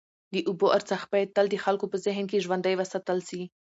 د اوبو ارزښت باید تل د خلکو په ذهن کي ژوندی وساتل سي.